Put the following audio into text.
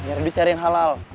biar dicari yang halal